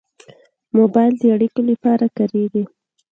موبایل د اړیکو لپاره کارېږي.